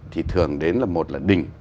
thì thường đến là một là đình